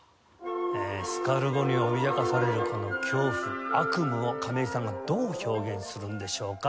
スカルボに脅かされるこの恐怖悪夢を亀井さんがどう表現するんでしょうか。